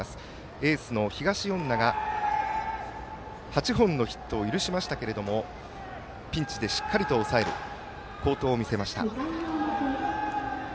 エースの東恩納が８本のヒットを許しましたがピンチでしっかりと抑える好投を見せました。